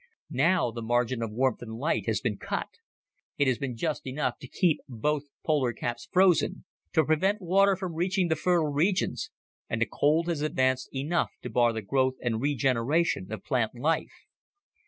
"Now the margin of warmth and light has been cut. It has been just enough to keep both polar caps frozen, to prevent water from reaching the fertile regions, and the cold has advanced enough to bar the growth and regeneration of plant life.